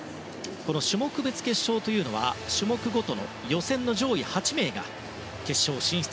この種目別決勝というのは種目ごとの予選の上位８名が決勝進出。